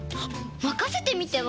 まかせてみては？